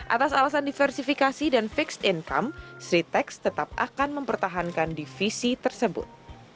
atas alasan diversifikasi dan fixed income sritex tetap akan mempertahankan divisi tersebut